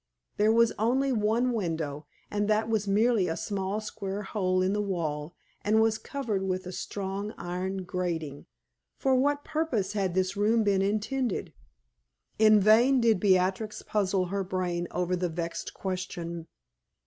There was only one window, and that was merely a small square hole in the wall, and was covered with a strong iron grating. For what purpose had this room been intended? In vain did Beatrix puzzle her brain over the vexed question.